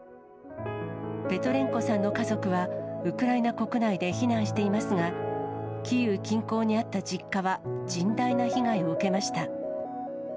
ペトレンコさんの家族はウクライナ国内で避難していますが、キーウ近郊にあった実家は、甚大な被害を受けました。